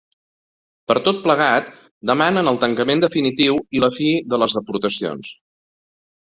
Per tot plegat, demanen el tancament definitiu i la fi de les deportacions.